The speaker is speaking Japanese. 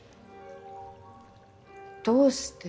どうして？